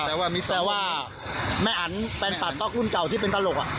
แต่ว่าแปลว่าแม่อันเป็นป่าต๊อกรุ่นเก่าที่เป็นตลก